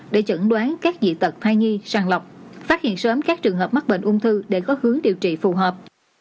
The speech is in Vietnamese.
để chẩn đoán các dị tật thai nhi sàng lọc phát hiện sớm các trường hợp mắc bệnh ung thư để có hướng điều trị phù hợp